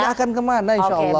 akan kemana insya allah